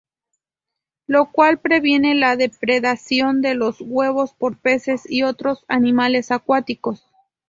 Lo cual previene la depredación de los huevos por peces y otros animales acuáticos.